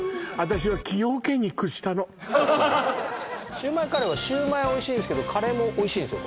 シウマイカレーはシウマイおいしいんですけどカレーもおいしいんですよ